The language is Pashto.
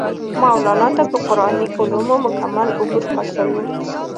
مولانا ته پۀ قرآني علومو مکمل عبور حاصل وو